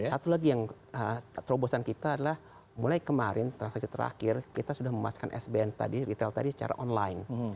satu lagi yang terobosan kita adalah mulai kemarin transaksi terakhir kita sudah memasukkan sbn tadi retail tadi secara online